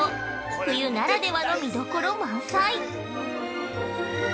冬ならではの見どころ満載！